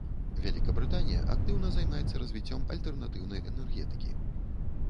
Вялікабрытанія актыўна займаецца развіццём альтэрнатыўнай энергетыкі.